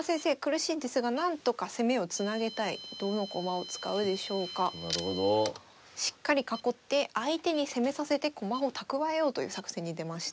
しっかり囲って相手に攻めさせて駒を蓄えようという作戦に出ました。